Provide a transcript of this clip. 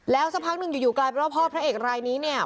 แล้วสักพักหนึ่งอยู่กลายเป็นว่าพ่อพระเอกรายนี้เนี่ย